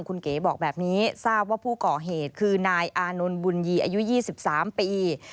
คุณเก๋บอกแบบนี้ทราบว่าผู้ก่อเหตุคือนายอานนท์บุญยีอายุ๒๓ปี